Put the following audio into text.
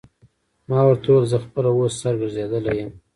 ما ورته وویل: زه خپله اوس سر ګرځېدلی یم.